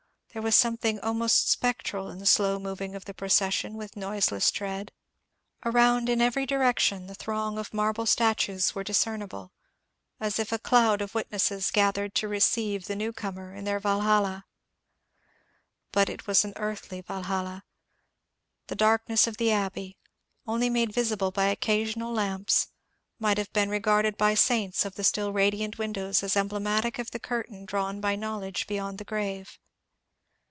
There was something almost spectral in the slow moving of the proces sion with noiseless tread. Around in every direction the throng of marble statues were discernible, as if a cloud of witnesses gathered to receive the new comer in their Valhalla. But it was an earthly Valhalla. The darkness of the Abbey, only made visible by occasional lamps, might have been re garded by saints of the still radiant windows as emblematic of the curtain drawn by knowledge beyond the grave.